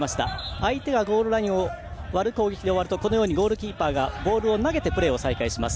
相手がゴールラインを割る攻撃で終わるとゴールキーパーがボールを投げてプレー再開です。